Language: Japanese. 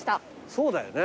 そうだよね。